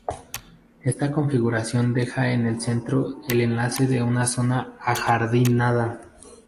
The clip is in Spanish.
Esta configuración deja en el centro del enlace una zona ajardinada.